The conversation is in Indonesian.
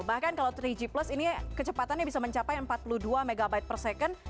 bahkan kalau tiga g plus ini kecepatannya bisa mencapai empat puluh dua mb per second